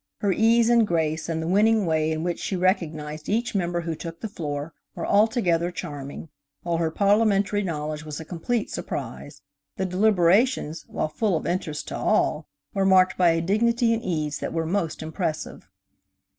Her ease and grace, and the winning way in which she recognized each member who took the floor, were altogether charming, while her parliamentary knowledge was a complete surprise. The deliberations, while full of interest to all, were marked by a dignity and ease that were most impressive.